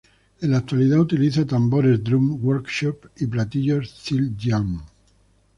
En la actualidad utiliza tambores Drum Workshop y platillos Zildjian.